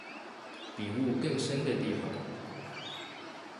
比霧更深的地方